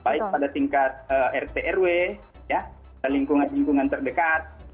baik pada tingkat rtrw lingkungan lingkungan terdekat